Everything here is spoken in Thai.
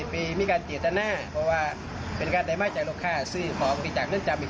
พร้อมจะตัวนะครับ